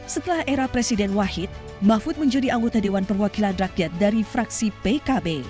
setelah era presiden wahid mahfud menjadi anggota dewan perwakilan rakyat dari fraksi pkb